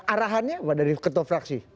arahannya dari ketua fraksi